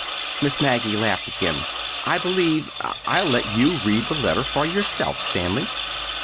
Miss Maggie laughed again. "I believe—I'll let you read the letter for yourself, Stanley.